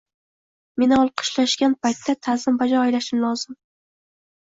— Meni olqishlashgan paytda ta’zim bajo aylashim lozim.